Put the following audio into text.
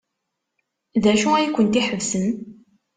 D acu ay kent-iḥebsen?